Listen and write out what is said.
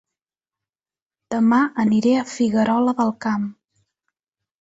Dema aniré a Figuerola del Camp